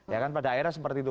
ya kan pada akhirnya seperti itu